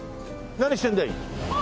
「何してんだい？」